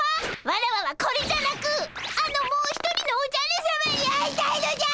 ワラワはこれじゃなくあのもう一人のおじゃるさまに会いたいのじゃ！